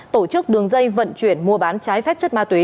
tổ chức đường dây vận chuyển mua bán trái phép chất ma túy